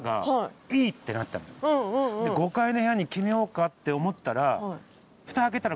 ５階の部屋に決めようかって思ったらふた開けたら。